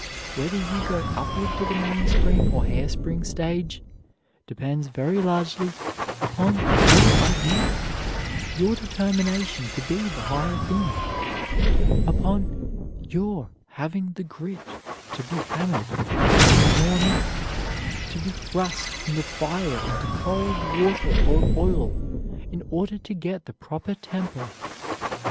Whether you go upward to the mainspring or hairspring stage, depends very largely upon your ideal, your determination to be the higher thing, upon your having the grit to be hammered, to be drawn out, to be thrust from the fire into cold water or oil in order to get the proper temper.